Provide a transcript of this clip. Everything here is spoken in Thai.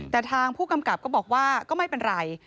แต่ทางผู้กำกับก็บอกว่าก็ไม่เป็นไร